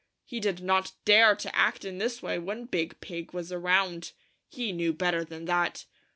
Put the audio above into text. He did not dare to act in this way when Big Pig was around. He knew better than that.